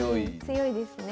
強いですね。